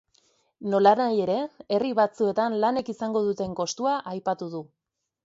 Nolanahi ere, herri batzuetan lanek izango duten kostua aipatu du.